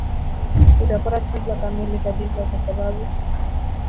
unapata tiba kamili kabisa kwa sababu